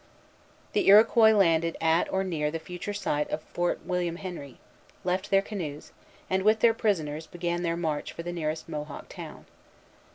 The Iroquois landed at or near the future site of Fort William Henry, left their canoes, and, with their prisoners, began their march for the nearest Mohawk town.